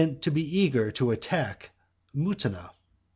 to be eager to attack Mutina?